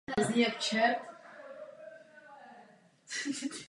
Od svého založení absolvoval soubor již mnoho desítek koncertů na domácí i zahraniční půdě.